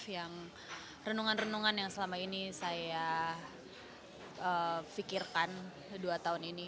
yang renungan renungan yang selama ini saya pikirkan dua tahun ini